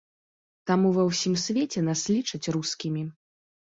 Таму ва ўсім свеце нас лічаць рускімі.